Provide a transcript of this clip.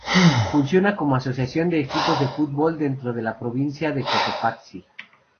Funciona como asociación de equipos de fútbol dentro de la Provincia de Cotopaxi.